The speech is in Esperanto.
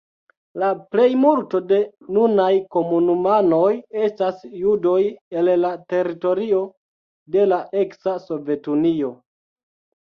La plejmulto de nunaj komunumanoj estas judoj el la teritorio de la eksa Sovetunio.